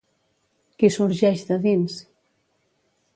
Qui sorgeix de dins?